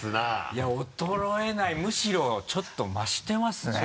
いや衰えないむしろちょっと増してますね。